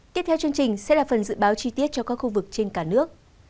tiếp theo chương trình sẽ là phần dự báo chi tiết cho các khu vực trên cả nước